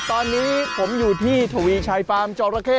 ตอนนี้ผมอยู่ที่ทวีชัยฟาร์มจอระเข้